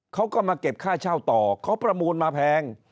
เขาก็มาเก็บค่าเช่าต่อเขาประมูลมาแพง